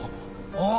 ああ